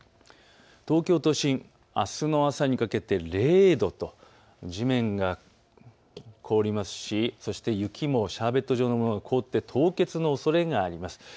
東京都心、あすの朝にかけて０度と地面が凍りますしそして雪もシャーベット状のものが凍って凍結のおそれがあります。